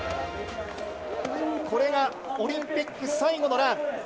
これがオリンピック最後のラン。